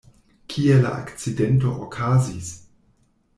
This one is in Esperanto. Kie la akcidento okazis?